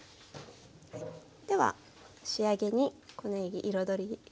では仕上げにこのように彩り。